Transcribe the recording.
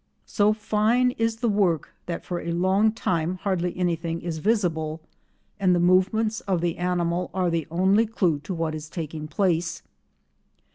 So fine is the work that for a long time hardly anything is visible, and the movements of the animal are the only clue to what is taking place.